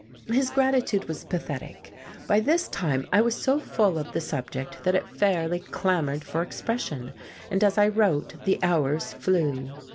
His gratitude was pathetic.... By this time I was so full of the subject that it fairly clamoured for expression, and as I wrote the hours flew.